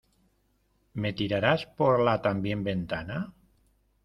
¿ Me tirarás por la también ventana?